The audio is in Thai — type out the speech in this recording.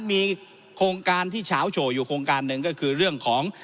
มีโครงการที่เฉาโฉอยู่โครงการหนึ่งก็คือเรื่องของ